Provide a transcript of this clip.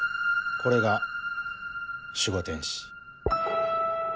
これが守護天使。